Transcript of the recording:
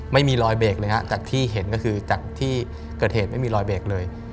ไม่มีรอยเบรกเลยฮะจากที่เห็นก็คือจากที่เกิดเหตุไม่มีรอยเบรกเลย